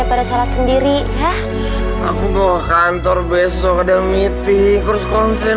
daripada sholat sendiri hah aku bawa kantor besok ada meeting terus konser